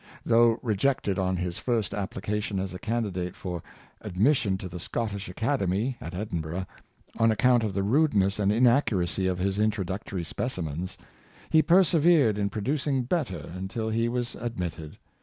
Though rejected on his first application as a candidate for admission to the Scottish Academy, at Edinburgh, on account of the rudeness and inaccuracy of his intro ductory specimens, he persevered in producing better, until he was admitted.